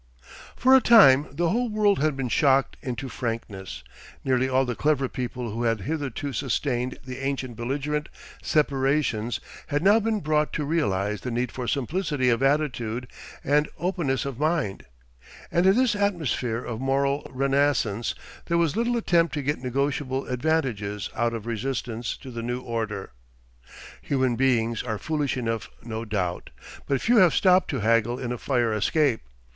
For a time the whole world had been shocked into frankness; nearly all the clever people who had hitherto sustained the ancient belligerent separations had now been brought to realise the need for simplicity of attitude and openness of mind; and in this atmosphere of moral renascence, there was little attempt to get negotiable advantages out of resistance to the new order. Human beings are foolish enough no doubt, but few have stopped to haggle in a fire escape.